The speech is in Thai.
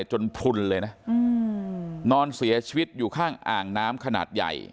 พลุนเลยนะนอนเสียชีวิตอยู่ข้างอ่างน้ำขนาดใหญ่